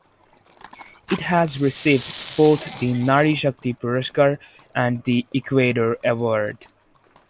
It has received both the Nari Shakti Puraskar and the Equator Award.